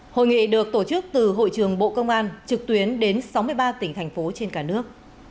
hội nghị được tổ chức từ hội trường bộ công an trực tuyến đến sáu mươi ba tỉnh thành phố trên cả nước